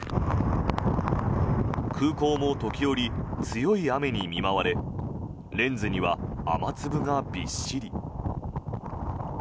空港も時折、強い雨に見舞われレンズには雨粒がびっしり。